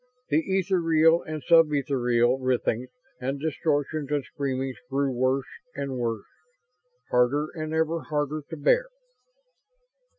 The ethereal and sub ethereal writhings and distortions and screamings grew worse and worse; harder and ever harder to bear.